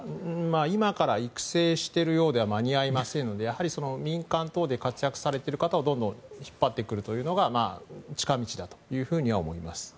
今から育成してるようでは間に合いませんのでやはり民間等で活躍されている方をどんどん引っ張ってくるというのが近道だとは思います。